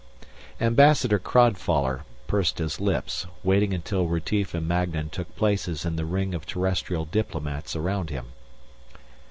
Ambassador Crodfoller pursed his lips, waiting until Retief and Magnan took places in the ring of Terrestrial diplomats around him.